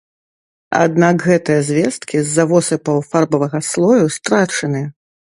Аднак гэтыя звесткі з-за восыпаў фарбавага слою страчаны.